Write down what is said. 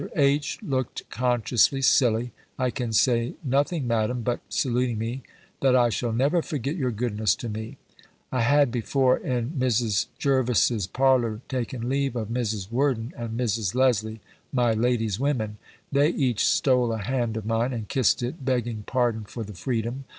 H. looked consciously silly. "I can say nothing, Madam, but" (saluting me) "that I shall never forget your goodness to me." I had before, in Mrs. Jervis's parlour, taken leave of Mrs. Worden and Mrs. Lesley, my ladies' women: they each stole a hand of mine, and kissed it, begging pardon for the freedom.